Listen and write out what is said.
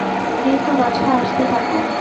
এই তো, বাছা, আসতে থাকো।